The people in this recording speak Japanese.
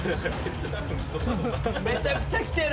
めちゃくちゃ来てる。